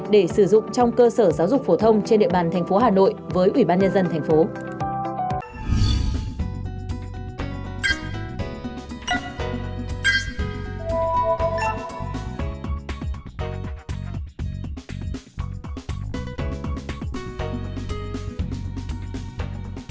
để sử dụng trong cơ sở giáo dục phổ thông trên địa bàn thành phố hà nội với ủy ban nhân dân thành phố